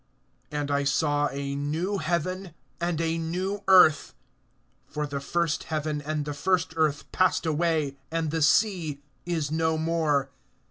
AND I saw a new heaven and a new earth; for the first heaven and the first earth passed away, and the sea is no more.